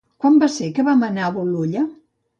Quan va ser que vam anar a Bolulla?